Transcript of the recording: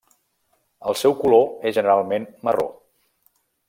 El seu color és generalment marró.